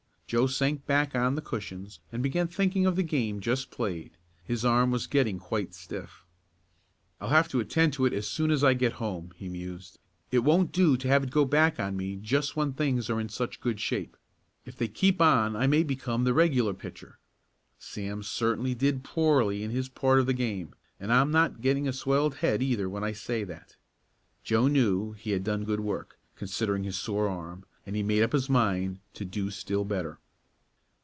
Joe sank back on the cushions and began thinking of the game just played. His arm was getting quite stiff. "I'll have to attend to it as soon as I get home," he mused. "It won't do to have it go back on me just when things are in such good shape. If they keep on I may become the regular pitcher. Sam certainly did poorly in his part of the game, and I'm not getting a swelled head, either, when I say that." Joe knew he had done good work, considering his sore arm, and he made up his mind to do still better.